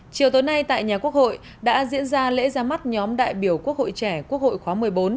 chiều tối nay tại nhà quốc hội đã diễn ra lễ ra mắt nhóm đại biểu quốc hội trẻ quốc hội khóa một mươi bốn